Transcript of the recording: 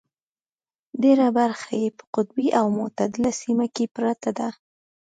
ډېره برخه یې په قطبي او متعدله سیمه کې پرته ده.